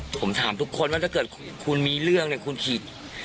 ผมถามทุกคนว่าถ้าเกิดคุณคุณมีเรื่องแล้วคุณขี่